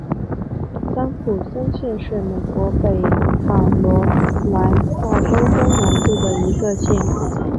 桑普森县是美国北卡罗莱纳州中南部的一个县。